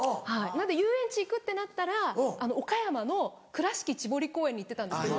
なんで遊園地行くってなったら岡山の倉敷チボリ公園に行ってたんですけど。